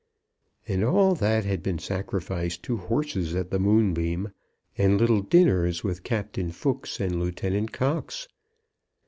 And all that had been sacrificed to horses at the Moonbeam, and little dinners with Captain Fooks and Lieutenant Cox!